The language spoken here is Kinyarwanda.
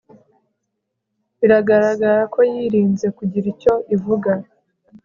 biragaragara ko yirinze kugira icyo ivuga